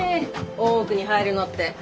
大奥に入るのって。